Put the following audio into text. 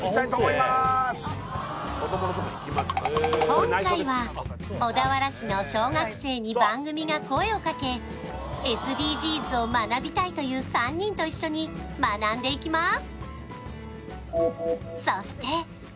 今回は小田原市の小学生に番組が声をかけ、ＳＤＧｓを学びたいという３人と一緒に学んでいきます。